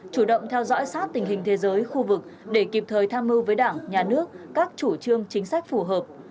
chủ động theo dõi sát tình hình thế giới khu vực để kịp thời tham mưu với đảng nhà nước các chủ trương chính sách phù hợp